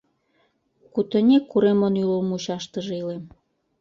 Кутынек уремын ӱлыл мучаштыже илем.